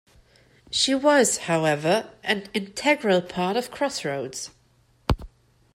She was, however, an integral part of "Crossroads".